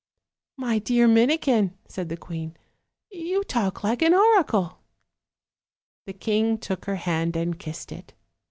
"My dear Minikin," said the queen, "you talk like an oracle." The king took her hand and kissed it.